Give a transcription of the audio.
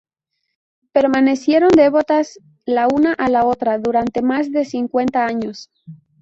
Permanecieron devotas la una a la otra durante más de cincuenta años.